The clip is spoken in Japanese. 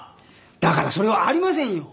だからそれはありませんよ！